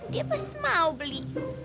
dia pasti mau beli